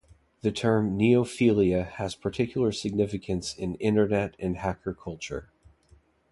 The word "neophilia" has particular significance in Internet and hacker culture.